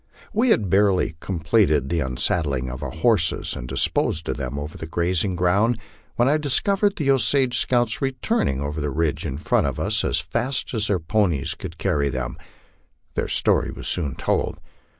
We had barely completed the un saddling of our horses and disposed of them over the grazing ground, when I discovered the Osage scouts returning over the ridge in front of us as fast as their ponies could carry them. Their story was soon told.